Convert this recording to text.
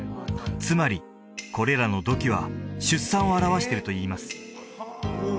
つまりこれらの土器は出産を表してるといいますおお！